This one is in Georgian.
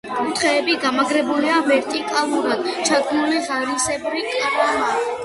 კუთხეები გამაგრებულია ვერტიკალურად ჩადგმული ღარისებრი კრამიტით.